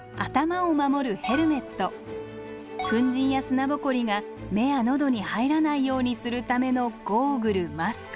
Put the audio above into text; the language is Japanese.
粉じんや砂ぼこりが目や喉に入らないようにするためのゴーグルマスク。